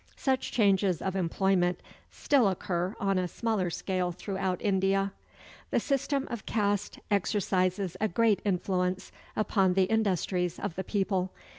Such changes of employment still occur on a smaller scale throughout India. The system of caste exercises a great influence upon the industries of the people.